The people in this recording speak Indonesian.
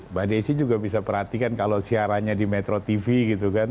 mbak desi juga bisa perhatikan kalau siarannya di metro tv gitu kan